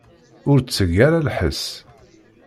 Ur tteg ara lḥess.